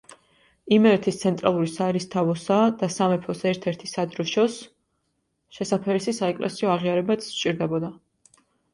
იმერეთის ცენტრალური საერისთავოსა და სამეფოს ერთ-ერთი სადროშოს შესაფერისი საეკლესიო აღიარებაც სჭირდებოდა.